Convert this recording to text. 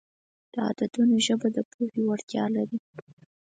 د عددونو ژبه د پوهې وړتیا لري.